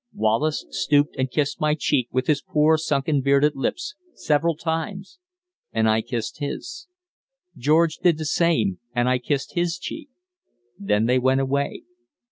Wallace stooped and kissed my cheek with his poor, sunken bearded lips several times and I kissed his. George did the same, and I kissed his cheek. Then they went away.